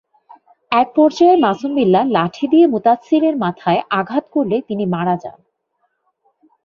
একপর্যায়ে মাসুম বিল্লাহ লাঠি দিয়ে মুতাচ্ছিরের মাথায় আঘাত করলে তিনি মারা যান।